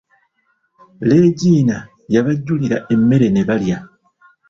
Leegina yabajjulira emmere ne balya.